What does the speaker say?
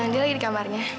dia lagi di kamarnya